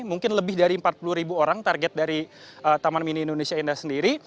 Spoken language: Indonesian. mungkin lebih dari empat puluh ribu orang target dari taman mini indonesia indah sendiri